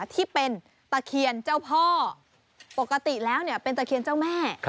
ที่เป็นตะเคียนเจ้าพ่อปกติแล้วเป็นตะเคียนเจ้าแม่